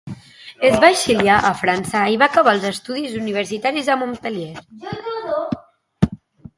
Es va exiliar a França i va acabar els estudis universitaris a Montpeller.